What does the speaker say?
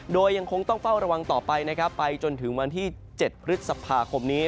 โดยยังคงต้องเฝ้าระวังต่อไปนะครับไปจนถึงวันที่๗พฤษภาคมนี้